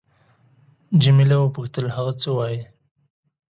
جميله وپوښتل: هغه څه وایي؟